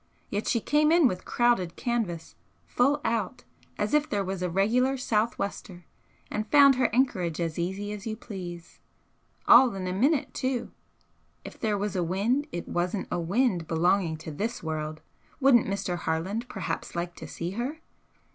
Yet she came in with crowded canvas full out as if there was a regular sou'wester, and found her anchorage as easy as you please. All in a minute, too. If there was a wind it wasn't a wind belonging to this world! Wouldn't Mr. Harland perhaps like to see her?"